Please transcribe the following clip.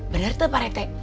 bener tuh pak rete